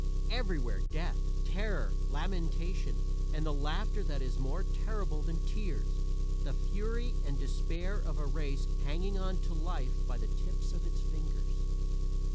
Everywhere death, terror, lamentation and the laughter that is more terrible than tears the fury and despair of a race hanging on to life by the tips of its fingers.